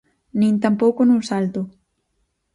Nin tampouco nun salto.